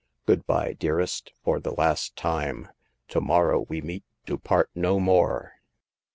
Good by, dearest, for the last time. To morrow w^e meet to part no more."